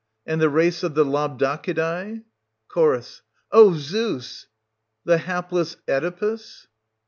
and the race of the Labdacidae?...(CH. O Zeus !)...the hapless Oedipus